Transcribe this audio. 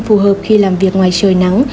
phù hợp khi làm việc ngoài trời nắng